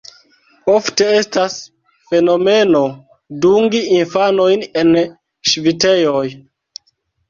Ofte estas fenomeno dungi infanojn en ŝvitejoj.